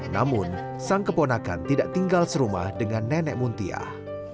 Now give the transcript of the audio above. namun sang keponakan tidak tinggal serumah dengan nenek muntiah